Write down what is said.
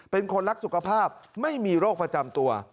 เป็นคนรักสุขภาพไม่มีโรคประจำตัว